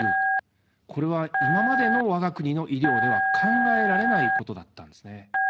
これは今までの我が国の医療では考えられないことだったんですね。